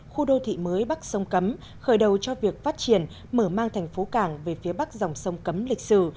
khu đô thị mới bắc sông cấm khởi đầu cho việc phát triển mở mang thành phố cảng về phía bắc dòng sông cấm lịch sử